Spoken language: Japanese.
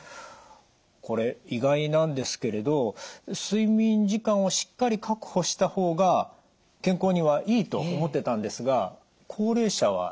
これ意外なんですけれど睡眠時間をしっかり確保した方が健康にはいいと思ってたんですが高齢者は駄目だということですね？